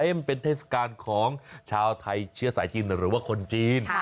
มันเป็นเทศกาลของชาวไทยเชื้อสายจีนหรือว่าคนจีน